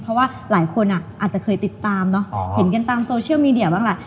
เพราะว่าหลายคนอาจจะเคยติดตามเนอะเห็นกันตามโซเชียลมีเดียบ้างแหละ